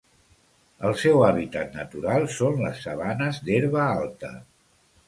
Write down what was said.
El seu hàbitat natural són les sabanes d'herba alta.